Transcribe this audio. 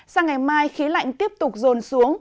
sáng ngày mai khí lạnh tiếp tục rồn xuống